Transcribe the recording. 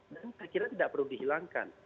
dan kira kira tidak perlu dihilangkan